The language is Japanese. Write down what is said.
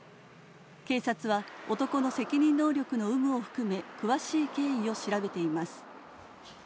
警察は男の責任能力の有無を含め詳しい経緯を調べています。